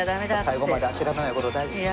最後まで諦めない事大事ですね。